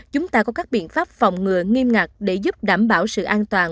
chúng ta có các biện pháp phòng ngừa nghiêm ngặt để giúp đảm bảo sự an toàn